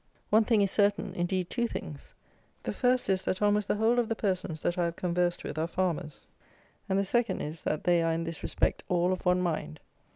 One thing is certain; indeed, two things: the first is, that almost the whole of the persons that I have conversed with are farmers; and the second is, that they are in this respect all of one mind!